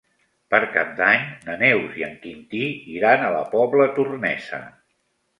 Per Cap d'Any na Neus i en Quintí iran a la Pobla Tornesa.